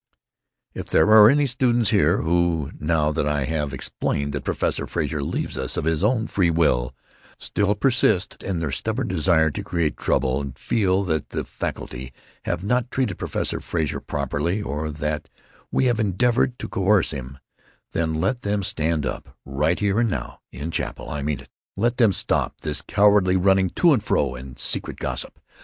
"If there are any students here who, now that I have explained that Professor Frazer leaves us of his own free will, still persist in their stubborn desire to create trouble, and still feel that the faculty have not treated Professor Frazer properly, or that we have endeavored to coerce him, then let them stand up, right here and now, in chapel. I mean it! Let them stop this cowardly running to and fro and secret gossip.